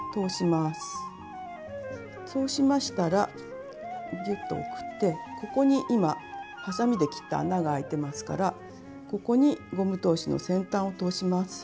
そうしましたらぎゅっと送ってここに今はさみで切った穴があいてますからここにゴム通しの先端を通します。